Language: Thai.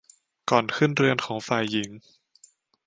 ก่อนขึ้นเรือนของฝ่ายหญิง